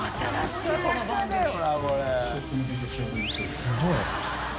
すごい。